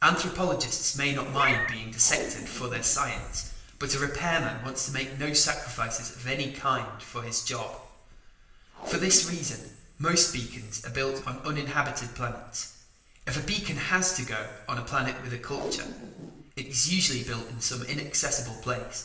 Anthropologists may not mind being dissected for their science, but a repairman wants to make no sacrifices of any kind for his job. For this reason, most beacons are built on uninhabited planets. If a beacon has to go on a planet with a culture, it is usually built in some inaccessible place.